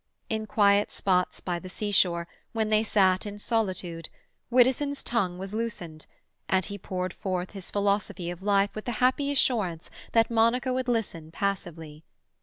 In quiet spots by the seashore, when they sat in solitude, Widdowson's tongue was loosened, and he poured forth his philosophy of life with the happy assurance that Monica would listen passively.